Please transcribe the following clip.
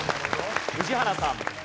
宇治原さん。